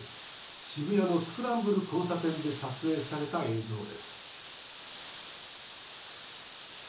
渋谷のスクランブル交差点で撮影された映像です